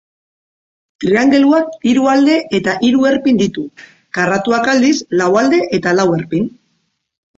Triangeluak hiru alde eta hiru erpin ditu. Karratuak, aldiz, lau alde eta lau erpin.